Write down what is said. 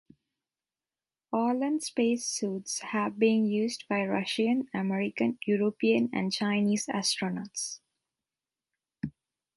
Orlan space suits have been used by Russian, American, European and Chinese astronauts.